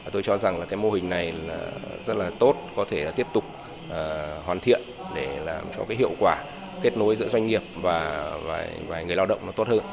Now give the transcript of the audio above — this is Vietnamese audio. tôi cho rằng là cái mô hình này rất là tốt có thể là tiếp tục hoàn thiện để làm cho cái hiệu quả kết nối giữa doanh nghiệp và người lao động nó tốt hơn